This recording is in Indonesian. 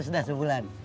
tujuh ratus dah sebulan